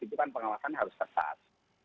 itu kan pengawasannya harus ketat